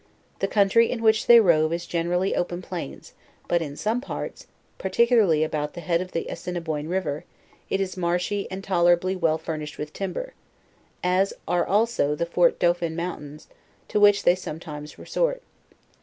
The country in which they rove is generally open plains, but in some parts, particularly about the head of the Assinniboin river, it is marshy and tolerably well furnished with timber, as are also the Fort Dauphin mountains, to which they sometimes resort.